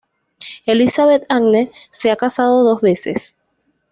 Elisabeth-Anne se ha casado dos veces.